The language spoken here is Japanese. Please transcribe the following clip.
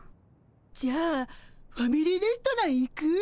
じゃあファミリーレストラン行く？